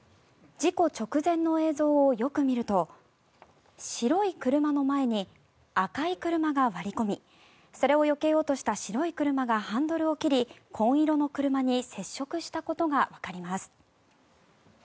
事故直前の映像をよく見ると白い車の前に赤い車が割り込みそれをよけようとした白い車がハンドルを切り、紺色の車に接触したことがわかります。